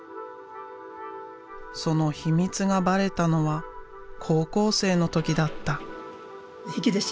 その秘密がバレたのは高校生の時だった。